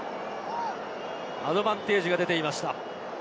アドバンテージが出ていました。